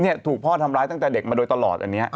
ถูกพ่อทำร้ายตั้งแต่เด็กมาโดยตลอดอันนี้